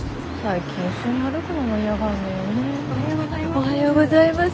おはようございます。